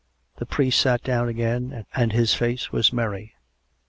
The priest sat down again and his face was merry.